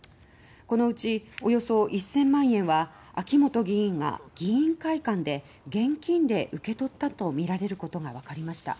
このうちおよそ１０００万円は秋本議員は議員会館で現金で受け取ったとみられることがわかりました。